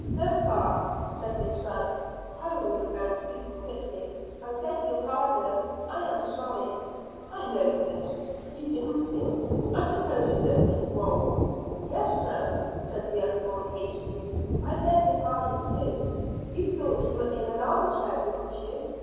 "No, fa," said his son, colouring and speaking quickly. "I beg your pardon! I am sorry." "I know, Chris. You didn't think. I suppose it looked droll." "Yes, sir," said the other boy, hastily. "I beg your pardon too. You thought you were in an arm chair, didn't you?"